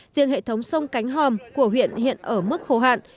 riêng hệ thống sông cánh hòm của huyện hiện ở mức khô hạn